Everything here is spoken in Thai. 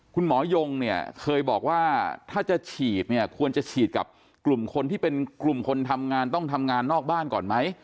คุณหมอยงเนี่ยเคยบอกว่าถ้าจะฉีดเนี่ยควรจะฉีดกับกลุ่มคนที่เป็นกลุ่มคนทำงานต้องทำงานนอกบ้านก่อนไหม